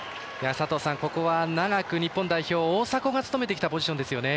ここは長く日本代表を大迫が務めてきたポジションですよね。